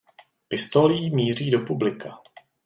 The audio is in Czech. Pistolí míří do publika.